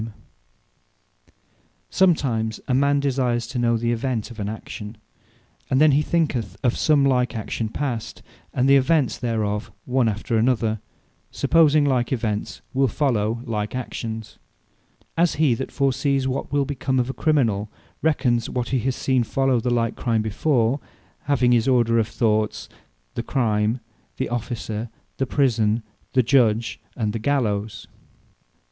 Prudence Sometime a man desires to know the event of an action; and then he thinketh of some like action past, and the events thereof one after another; supposing like events will follow like actions. As he that foresees what wil become of a Criminal, re cons what he has seen follow on the like Crime before; having this order of thoughts, The Crime, the Officer, the Prison, the Judge, and the Gallowes.